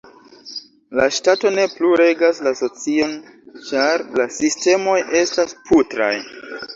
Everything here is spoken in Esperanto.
La ŝtato ne plu regas la socion ĉar la sistemoj estas putraj.